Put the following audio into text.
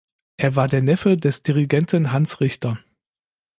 Er war der Neffe des Dirigenten Hans Richter.